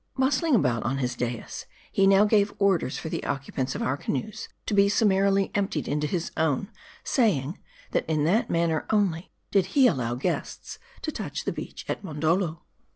Bustling about on his dais, he now gave orders for the occupants of our canoes to be summarily emptied into his own ; saying, that in that manner only did he allow guests to touch the beach of Mondoldo.